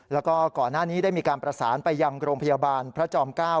แล้วก็ก่อนหน้านี้ได้มีการประสานไปยังโรงพยาบาลพระจอม๙